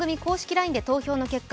ＬＩＮＥで投票の結果